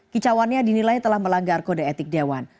kicauannya dinilai telah melanggar kode etik dewan